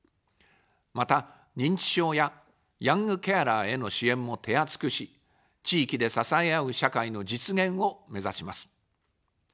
また、認知症やヤングケアラーへの支援も手厚くし、地域で支え合う社会の実現をめざします。